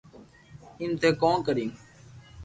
ايم ٿي ڪون ڪريو